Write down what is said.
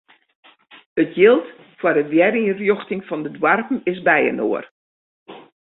It jild foar de werynrjochting fan de doarpen is byinoar.